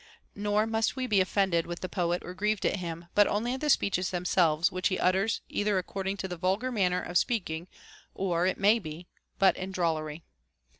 Nor must we be offended with the poet or grieved at him, but only at the speeches themselves, which he utters either according to the vulgar manner of speaking or, it may be, but in drol lery.